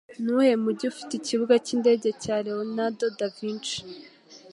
Nuwuhe mujyi ufite ikibuga cyindege cya Leonardo Da Vinci